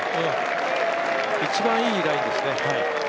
一番いいラインですね。